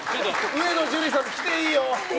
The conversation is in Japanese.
上野樹里さんも来ていいよ！